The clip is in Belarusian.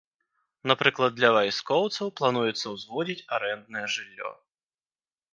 Напрыклад, для вайскоўцаў плануецца ўзводзіць арэнднае жыллё.